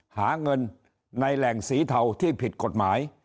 หาเงินในแหล่งสีเทาที่ผิดกฎหมาย